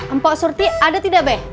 empok surti ada tidak beh